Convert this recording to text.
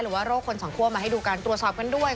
โรคคนสองคั่วมาให้ดูกันตรวจสอบกันด้วย